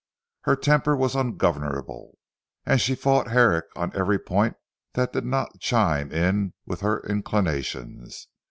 Her temper was ungovernable, and she fought Herrick on every point that did not chime in with her inclinations.